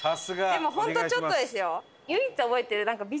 でも本当ちょっとですよ。